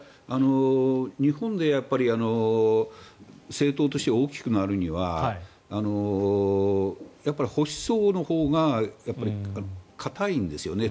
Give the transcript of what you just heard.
日本で政党として大きくなるには保守層のほうが堅いんですよね。